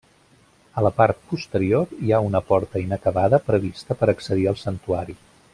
A la part posterior, hi ha una porta inacabada prevista per accedir al santuari.